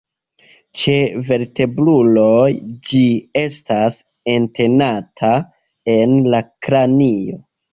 Ĉe vertebruloj ĝi estas entenata en la kranio.